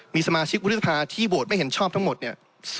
มีสมาชิกวุฒิภาที่โหวตไม่เห็นชอบทั้งหมดเนี่ย